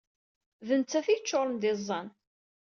D netta ay yeččuṛen d iẓẓan.